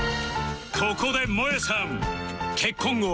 ここでもえさん結婚後